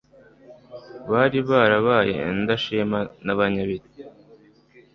Bari barabaye indashima n’abanyabibi ;